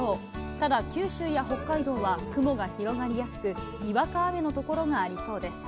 ただ九州や北海道は雲が広がりやすく、にわか雨の所がありそうです。